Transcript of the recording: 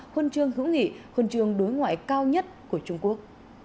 khuôn trường hữu nghị khuôn trường đối ngoại cao nhất của trung quốc